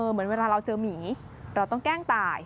เหมือนเวลาเราเจอหมีเราต้องแกล้งตาย